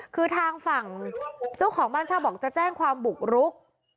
คือทางฝั่งเจ้าของบ้านเช่าบอกจะแจ้งความบุกรุก